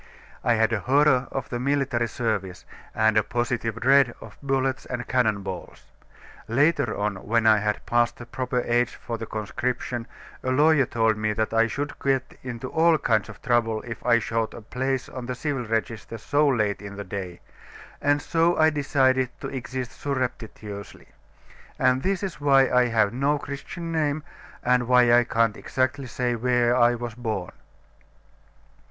I had a horror of military service, and a positive dread of bullets and cannon balls. Later on, when I had passed the proper age for the conscription, a lawyer told me that I should get into all kinds of trouble if I sought a place on the civil register so late in the day; and so I decided to exist surreptitiously. And this is why I have no Christian name, and why I can't exactly say where I was born."